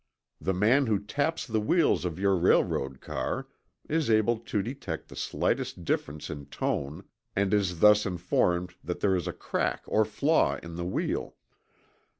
The man who taps the wheels of your railroad car is able to detect the slightest difference in tone, and is thus informed that there is a crack or flaw in the wheel.